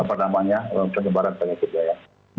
apa namanya penyebaran penyakit daya